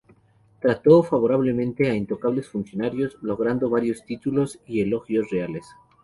Trató favorablemente a incontables funcionarios, logrando varios títulos, y elogios reales.